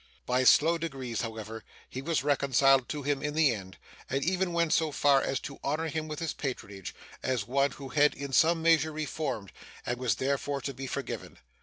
By slow degrees, however, he was reconciled to him in the end; and even went so far as to honour him with his patronage, as one who had in some measure reformed, and was therefore to be forgiven.